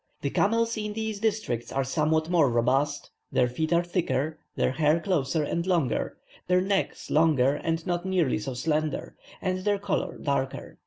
The camels in these districts are somewhat more robust, their feet are thicker, their hair closer and longer, their necks longer, and not nearly so slender, and their colour darker.